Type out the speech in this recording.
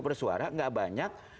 bersuara nggak banyak